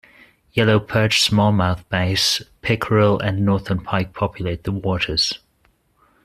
Yellow perch, smallmouth bass, pickerel, and Northern pike populate the waters.